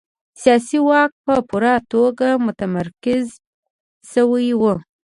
سیاسي واک په پوره توګه متمرکز شوی و.